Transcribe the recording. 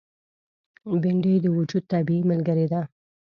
بېنډۍ د وجود طبیعي ملګره ده